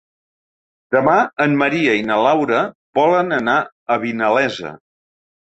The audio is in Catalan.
Demà en Maria i na Laura volen anar a Vinalesa.